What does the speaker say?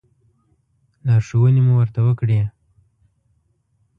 لارښوونې مو ورته وکړې.